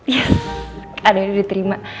ya ada yang diterima